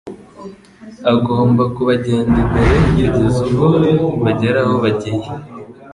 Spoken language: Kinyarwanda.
agomba kubagenda imbere kugeza ubwo bagera aho bagiye